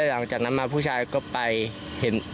หลังจากนั้นมาผู้ชายก็ไปเห็น